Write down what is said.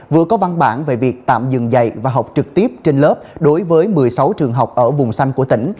vừa có văn bản về việc tạm dừng dạy và học trực tiếp trên lớp đối với một mươi sáu trường học ở vùng xanh của tỉnh